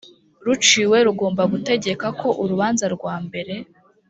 ruciwe rugomba gutegeka ko urubanza rwambere